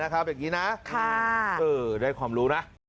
อย่างนี้นะได้ความรู้นะ